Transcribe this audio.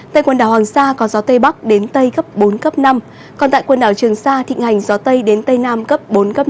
tại quần đảo hoàng sa có gió tây bắc đến tây cấp bốn cấp năm còn tại quần đảo trường sa thịnh hành gió tây đến tây nam cấp bốn năm